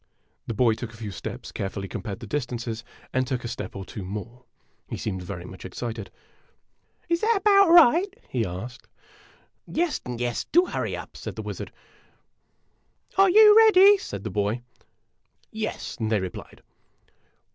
The boy took a few steps, carefully compared the distances, and took a step or two more. He seemed very much excited. "Is that about right ?" he asked. " Yes, yes ; do hurry up !" said the wizard. "Are you ready ?" said the boy. " Yes !" they replied.